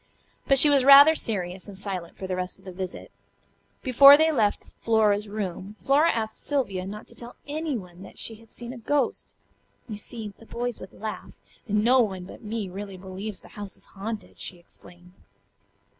But she was rather serious and silent for the rest of the visit. Before they left Flora's room Flora asked Sylvia not to tell anyone that she had seen a "ghost." "You see, the boys would laugh, and no one but me really believes the house is haunted," she explained.